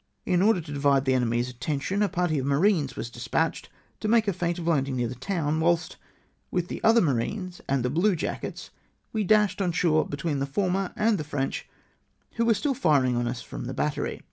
In order to divide the enemy's attention, a party of marines was despatched to make a feint of landing near the town, whilst with the other marines and the blue jackets we dashed on shore be tween the former and the French who were still firing on us from the battery.